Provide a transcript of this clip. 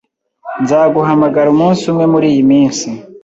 Nzaguhamagara umunsi umwe muriyi minsi.